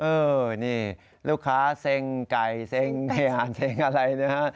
เออนี่ลูกค้าเซ็งไก่เซ็งเฮอ่านเซ็งอะไรนะฮะ